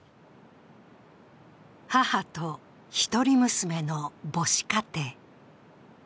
母と一人娘の母子家庭。